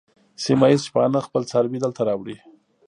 سیمه ییز شپانه خپل څاروي دلته راوړي.